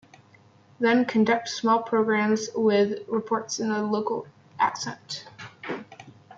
Then conduct small programs with reports in the local accent.